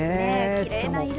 きれいな色。